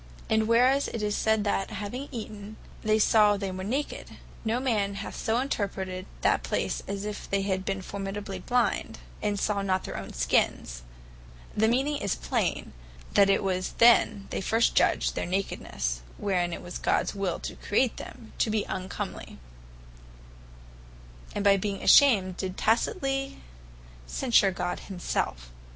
And whereas it is sayd, that having eaten, they saw they were naked; no man hath so interpreted that place, as if they had formerly blind, as saw not their own skins: the meaning is plain, that it was then they first judged their nakednesse (wherein it was Gods will to create them) to be uncomely; and by being ashamed, did tacitely censure God himselfe.